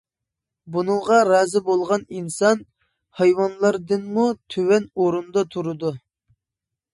بۇنىڭغا رازى بولغان ئىنسان ھايۋانلاردىنمۇ تۆۋەن ئورۇندا تۇرىدۇ.